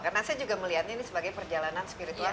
karena saya juga melihatnya sebagai perjalanan spiritual